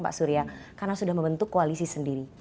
pak surya karena sudah membentuk koalisi sendiri